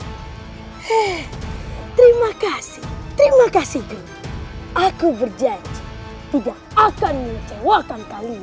eh terima kasih terima kasih dulu aku berjanji tidak akan mencewakan kalian